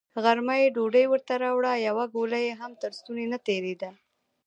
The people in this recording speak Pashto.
غرمه يې ډوډۍ ورته راوړه، يوه ګوله يې هم تر ستوني نه تېرېده.